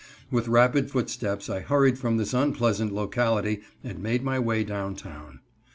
With rapid footsteps I hurried from this unpleasant locality and made my way down town.